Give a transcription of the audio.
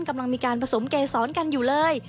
กำลังมีการผสมเกษรกันอยู่เลย